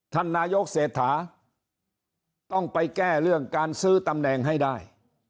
ท่านนายกเศรษฐาต้องไปแก้เรื่องการซื้อตำแหน่งให้ได้